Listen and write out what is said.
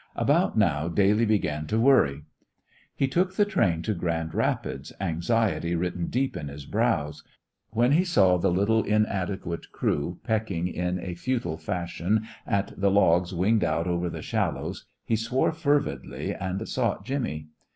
About now Daly began to worry. He took the train to Grand Rapids, anxiety written deep in his brows. When he saw the little inadequate crew pecking in a futile fashion at the logs winged out over the shallows, he swore fervidly and sought Jimmy.